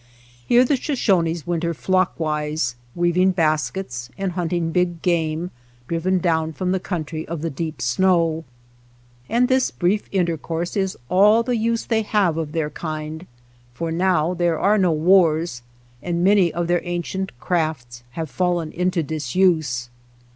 Here the Sho shones winter flockwise, weaving baskets and hunting big game driven down from the country of the deep snow. And this brief intercourse is all the use they have of their kind, for now there are no wars, and many of their ancient crafts have fallen into disuse.